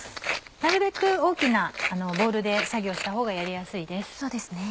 なるべく大きなボウルで作業したほうがやりやすいです。